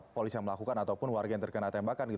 polisi yang melakukan ataupun warga yang terkena tembakan